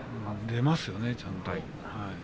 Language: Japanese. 出ますよね、ちゃんと。